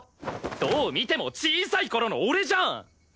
どう見ても小さい頃の俺じゃん！